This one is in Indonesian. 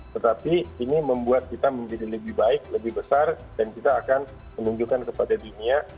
tetapi ini membuat kita menjadi lebih baik lebih besar dan kita akan menunjukkan kepada dunia